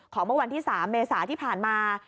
เมื่อวันที่๓เมษาที่ผ่านมา